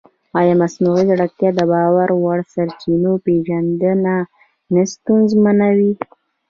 ایا مصنوعي ځیرکتیا د باور وړ سرچینو پېژندنه نه ستونزمنوي؟